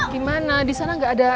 gimana disana gak ada